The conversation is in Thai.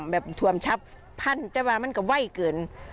แบบถวมชับพันแต่ว่ามันก็ไวเกิน